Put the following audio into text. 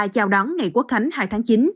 chào đón ngày quốc khánh hai tháng chín